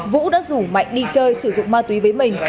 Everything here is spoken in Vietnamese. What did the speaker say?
vũ đã rủ mạnh đi chơi sử dụng ma túy với mình